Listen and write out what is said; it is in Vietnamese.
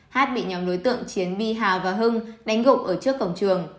hát bị nhóm đối tượng chiến bi hào và hưng đánh gộp ở trước cổng trường